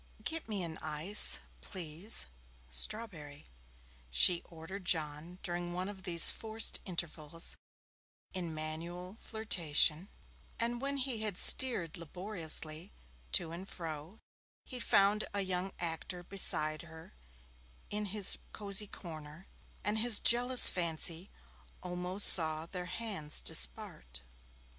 'Get me an ice, please strawberry,' she ordered John during one of these forced intervals in manual flirtation; and when he had steered laboriously to and fro, he found a young actor beside her in his cosy corner, and his jealous fancy almost saw their hands dispart.